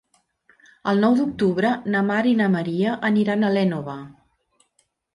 El nou d'octubre na Mar i na Maria aniran a l'Énova.